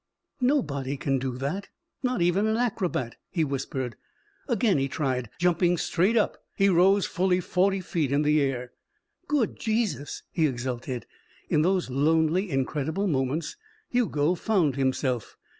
"Nobody can do that, not even an acrobat," he whispered. Again he tried, jumping straight up. He rose fully forty feet in the air. "Good Jesus!" he exulted. In those lonely, incredible moments Hugo found himself.